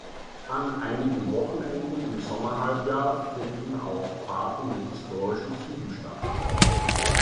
An einigen Wochenenden im Sommerhalbjahr finden auch Fahrten mit historischen Zügen statt.